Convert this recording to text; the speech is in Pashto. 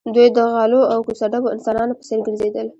دوی د غلو او کوڅه ډبو انسانانو په څېر ګرځېدل